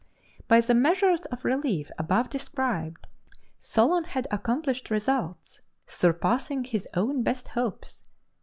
By the measures of relief above described, Solon had accomplished results surpassing his own best hopes.